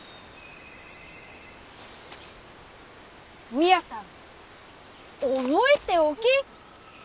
宮さん覚えておき。